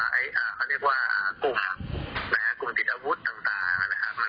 ที่ผ่านมาผมก็ไว้ใจบริษัททัวร์มากเกินไป